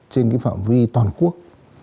trên phẩm vi toàn quốc